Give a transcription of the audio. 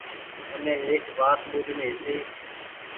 مني ايڪ وآت ٻوجڻي هيتي